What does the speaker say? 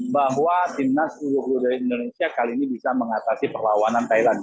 bahwa timnas uu indonesia kali ini bisa mengatasi perlawanan thailand